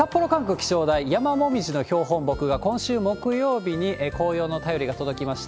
気象台、ヤマモミジの標本木が今週木曜日に紅葉の便りが届きました。